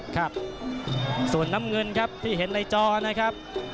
ครับส่วนน้ำเงินครับที่เห็นในจอนะครับ